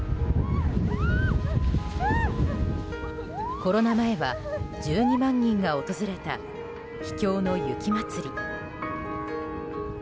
コロナ前は１２万人が訪れた秘境の雪まつり。